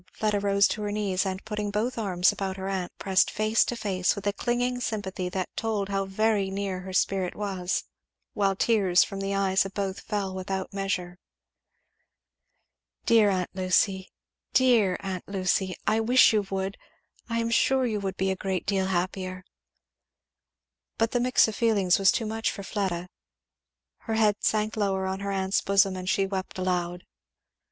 Fleda rose to her knees and putting both arms about her aunt pressed face to face, with a clinging sympathy that told how very near her spirit was; while tears from the eyes of both fell without measure. "Dear aunt Lucy dear aunt Lucy I wish you would! I am sure you would be a great deal happier " But the mixture of feelings was too much for Fleda; her head sank lower on her aunt's bosom and she wept aloud.